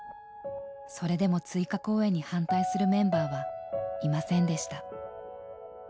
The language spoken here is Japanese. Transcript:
それでも追加公演に反対するメンバーはいませんでした。